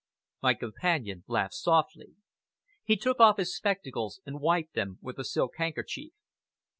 My companion laughed softly. He took off his spectacles, and wiped them with a silk handkerchief.